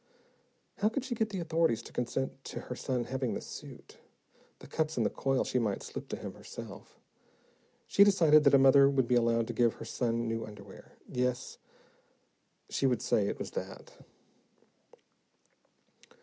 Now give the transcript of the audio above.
How could she get the authorities to consent to her son having the suit? The cups and the coil she might slip to him herself. She decided that a mother would be allowed to give her son new underwear. Yes, she would say it was that.